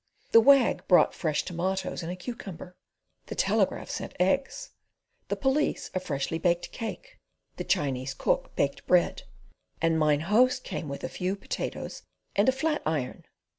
The Wag brought fresh tomatoes and a cucumber; the Telegraph sent eggs; the Police a freshly baked cake; the Chinese cook baked bread, and Mine Host came with a few potatoes and a flat iron.